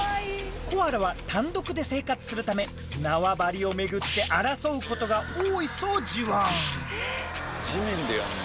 コアラは単独で生活するため縄張を巡って争うことが多いそうじわ。